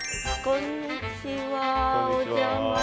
こんにちは。